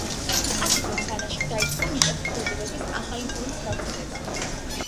კასიტურ ხანაში დაიწყო მიწათმფლობელობის ახალი ფორმის გავრცელება.